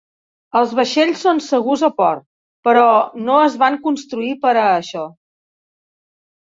Els vaixells són segurs a port, però no es van construir per a això